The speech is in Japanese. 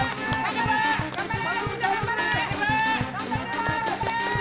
頑張れ！